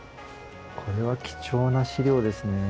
これは貴重な資料ですね。